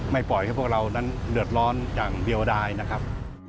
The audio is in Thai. ปล่อยให้พวกเรานั้นเดือดร้อนอย่างเดียวได้นะครับ